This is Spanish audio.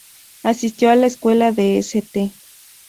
Asistió a la escuela de St.